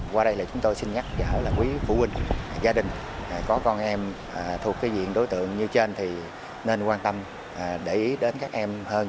qua đây là chúng tôi xin nhắc là quý phụ huynh gia đình có con em thuộc cái diện đối tượng như trên thì nên quan tâm để ý đến các em hơn